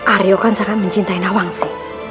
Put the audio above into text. aryo kan sangat mencintai nawangsi